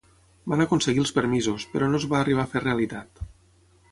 Van aconseguir els permisos, però no es va arribar a fer realitat.